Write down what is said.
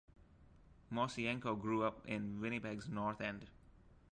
Mosienko grew up in Winnipeg's north end.